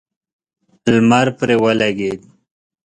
لمر پرې ولګېد.